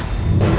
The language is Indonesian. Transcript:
ya udah yaudah